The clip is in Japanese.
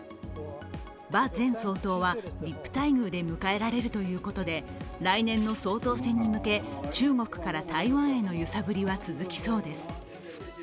馬前総統はＶＩＰ待遇で迎えられるということで来年の総統選に向け、中国から台湾への揺さぶりは続きそうです。